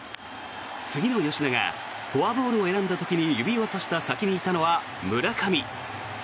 次の吉田がフォアボールを選んだ時に指をさした先にいたのは村上。